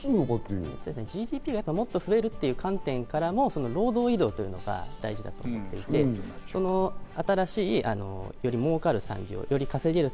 ＧＤＰがもっと増えるという観点からも労働移動が大事だと思っていて、新しい、より儲かる、稼げる